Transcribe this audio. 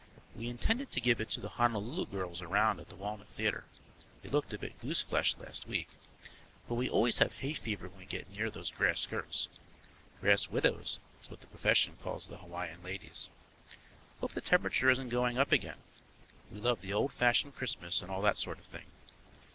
We intended to give it to the Honolulu Girls around at the Walnut Theatre, they looked a bit goose fleshed last week, but we always have hay fever when we get near those grass skirts. Grass widows is what the profession calls the Hawaiian ladies. Hope the temperature isn't going up again. We love the old fashioned Christmas and all that sort of thing.